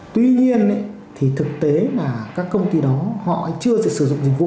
tuy nhiên thực tế là các công ty đó chưa sử dụng dịch vụ